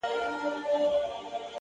هوډ د ستړیا غږ کمزوری کوي.!